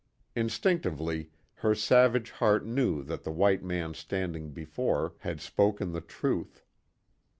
Instinctively, her savage heart knew that the white man standing before had spoken the truth.